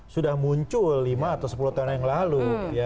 sudah muncul lima atau sepuluh tahun yang lalu